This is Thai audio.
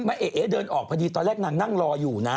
เอ๊เดินออกพอดีตอนแรกนางนั่งรออยู่นะ